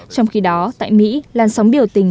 trong khi đó tại mỹ làn sóng biểu tình